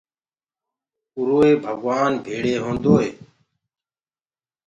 اُروئي ڀگوآن ڀيݪي هوندوئي